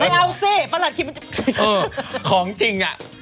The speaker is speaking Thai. เอาสิประหลัดคิดมันจะของจริงอ่ะ